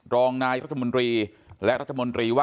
รองนายรัฐมนตรี